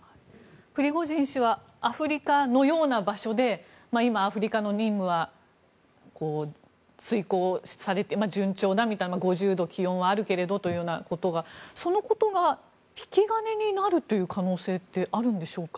プリゴジン氏はアフリカのような場所で今、アフリカの任務は遂行されて、順調だという５０度気温はあるけれどというようなそのことが引き金になる可能性はあるんでしょうか。